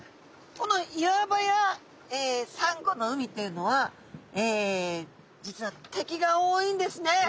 この岩場やサンゴの海というのは実は敵が多いんですね。